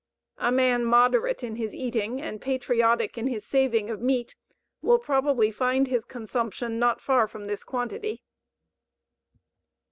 A man moderate in his eating and patriotic in his saving of meat will probably find his consumption not far from this quantity.